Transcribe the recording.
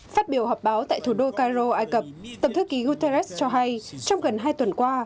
phát biểu họp báo tại thủ đô cairo ai cập tổng thư ký guterres cho hay trong gần hai tuần qua